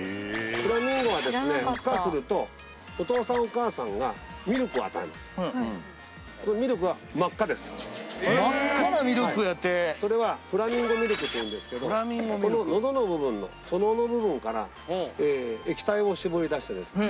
フラミンゴは孵化するとお父さんお母さんがミルクを与えます・真っ赤なミルクやてそれはフラミンゴミルクっていうんですけどこの喉の部分の「そのう」の部分から液体を絞り出してですね